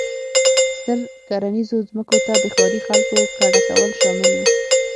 ستر کرنیزو ځمکو ته د ښاري خلکو کډه کول شامل و.